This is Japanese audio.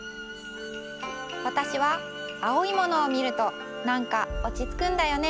わたしは青いものをみるとなんかおちつくんだよね。